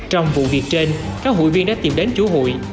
trong vụ việc trên các hùi viên đã tìm đến chủ hùi